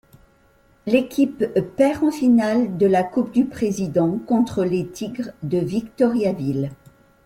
L'équipe perd en finale de la Coupe du Président contre les Tigres de Victoriaville.